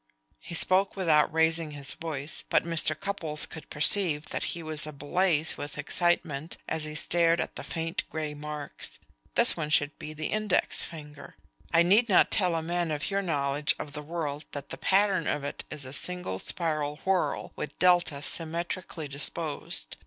He spoke without raising his voice, but Mr. Cupples could perceive that he was ablaze with excitement as he stared at the faint gray marks. "This one should be the index finger. I need not tell a man of your knowledge of the world that the pattern of it is a single spiral whorl, with deltas symmetrically disposed.